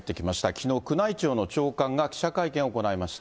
きのう、宮内庁の長官が記者会見を行いました。